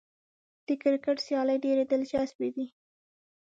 د کرکټ سیالۍ ډېرې دلچسپې دي.